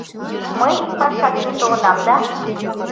— Мый ик паша дене толынам да...